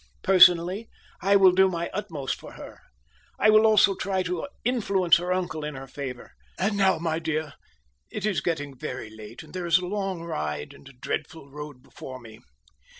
Personally, I will do my utmost for her. I will also try to influence her uncle in her favor. And now, my dear, it is getting very late, and there is a long ride, and a dreadful road before me.